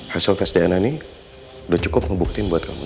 hasil tes dna ini udah cukup ngebuktiin buat kamu